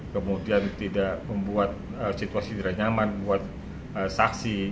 kemudian tidak membuat situasi tidak nyaman buat saksi